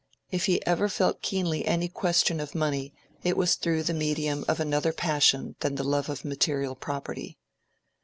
If he ever felt keenly any question of money it was through the medium of another passion than the love of material property.